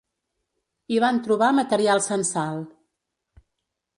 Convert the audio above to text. Hi van trobar material censal.